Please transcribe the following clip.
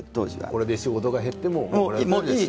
それで仕事が減ってもいいと。